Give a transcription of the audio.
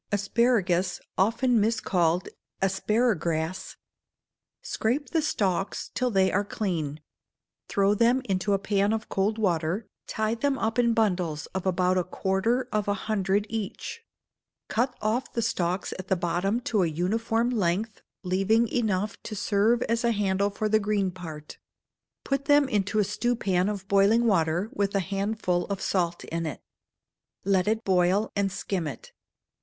Asparagus (often mis called "asparagrass"). Scrape the stalks till they are clean; throw them into a pan of cold water, tie them up in bundles of about a quarter of a hundred each; cut off the stalks at the bottom to a uniform length leaving enough to serve as a handle for the green part; put them into a stewpan of boiling water, with a handful of salt in it. Let it boil, and skim it.